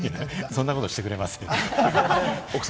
そんなことはしてくれません。